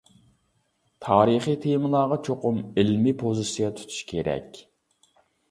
تارىخى تېمىلارغا چوقۇم ئىلمىي پوزىتسىيە تۇتۇش كېرەك.